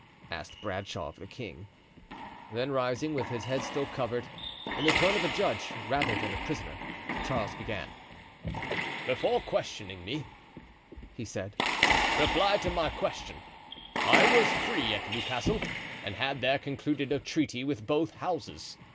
asked Bradshaw of the king. Then rising, with his head still covered, in the tone of a judge rather than a prisoner, Charles began. "Before questioning me," he said, "reply to my question. I was free at Newcastle and had there concluded a treaty with both houses.